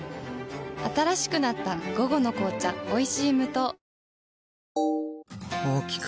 新しくなった「午後の紅茶おいしい無糖」